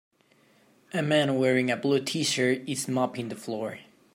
A man wearing a blue Tshirt is mopping the floor.